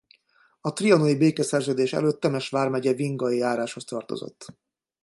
A trianoni békeszerződés előtt Temes vármegye Vingai járásához tartozott.